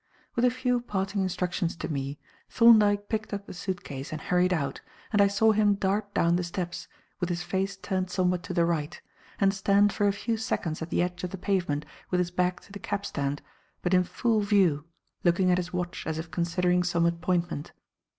With a few parting instructions to me, Thorndyke picked up the suit case and hurried out, and I saw him dart down the steps with his face turned somewhat to the right and stand for a few seconds at the edge of the pavement with his back to the cabstand, but in full view, looking at his watch as if considering some appointment.